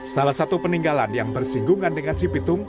salah satu peninggalan yang bersinggungan dengan si pitung